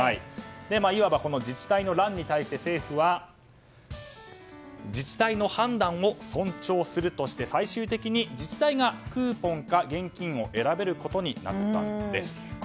いわば自治体の乱に対して政府は自治体の判断を尊重するとして最終的に自治体がクーポンか現金を選べることになったんです。